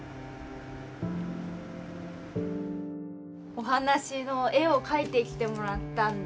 お話の絵を描いてきてもらったんで。